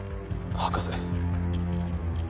博士？